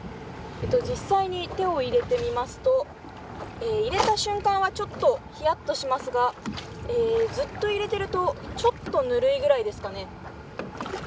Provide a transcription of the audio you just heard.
実際に手を入れてみますと入れた瞬間はちょっと冷やっとしますがずっと入れているとちょっとぬるいぐらいですかね。